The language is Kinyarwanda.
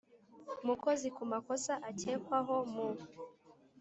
Mukozi ku makosa akekwaho mu